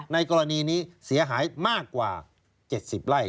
ในกรณีนี้เสียหายมากกว่า๗๐ไร่